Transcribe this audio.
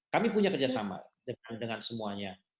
kami punya kerjasama dengan semuanya